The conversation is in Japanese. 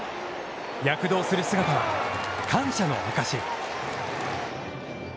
躍動する姿は、感謝のあかし。